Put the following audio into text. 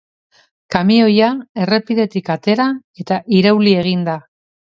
Kamioia errepidetik atera eta irauli egin da.